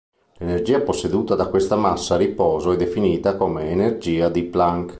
L'energia posseduta da questa massa a riposo è definita come energia di Planck.